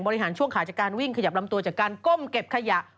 ช่วงขาจากการวิ่งขยับลำตัวจากการก้มเก็บขยะ